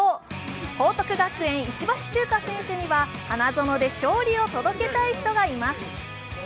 報徳学園、石橋チューカ選手には花園で勝利を届けたい人がいます。